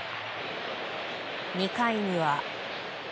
２回には。